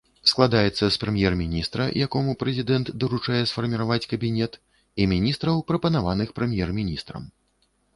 Складаецца з прэм'ер-міністра, якому прэзідэнт даручае сфарміраваць кабінет, і міністраў, прапанаваных прэм'ер-міністрам.